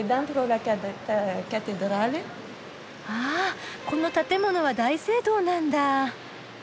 あこの建物は大聖堂なんだ。